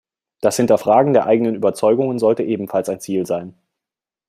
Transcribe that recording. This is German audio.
Das Hinterfragen der eigenen Überzeugungen sollte ebenfalls ein Ziel sein.